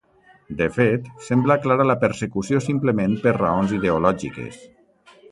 De fet, sembla clara la persecució simplement per raons ideològiques.